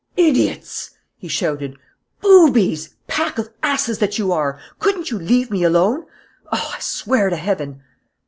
"Idiots!" he shouted. "Boobies! Pack of asses that you are, couldn't you leave me alone? Oh, I swear to Heaven